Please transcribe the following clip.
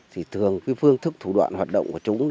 thì thường cái phương thức thủ đoạn hoạt động của chúng